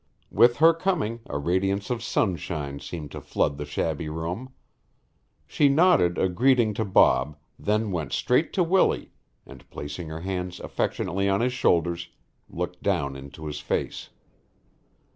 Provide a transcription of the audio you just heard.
With her coming a radiance of sunshine seemed to flood the shabby room. She nodded a greeting to Bob, then went straight to Willie and, placing her hands affectionately on his shoulders, looked down into his face.